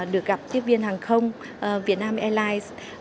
được gặp tiếp viên hàng không vietnam airlines